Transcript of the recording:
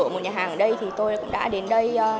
một nhà hàng ở đây thì tôi đã đến đây